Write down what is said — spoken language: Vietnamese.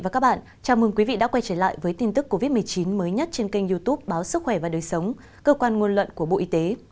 chào mừng quý vị đã quay trở lại với tin tức covid một mươi chín mới nhất trên kênh youtube báo sức khỏe và đời sống cơ quan ngôn luận của bộ y tế